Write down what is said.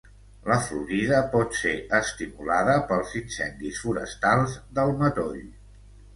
La florida pot ser estimulada pels incendis forestals del matoll.